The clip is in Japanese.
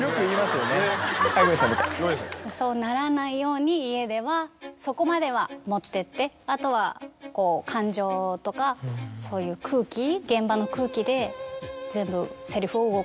そうならないように家ではそこまでは持ってってあとはこう感情とかそういう空気現場の空気で全部。